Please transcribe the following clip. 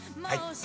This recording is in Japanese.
はい。